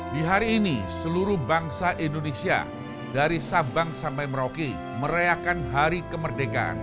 di hari ini seluruh bangsa indonesia dari sabang sampai merauke merayakan hari kemerdekaan